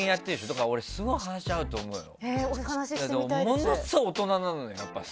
だから俺すごい話合うと思うよ。